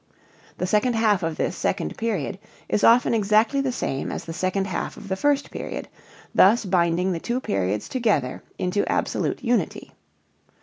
The second half of this second period is often exactly the same as the second half of the first period, thus binding the two periods together into absolute unity.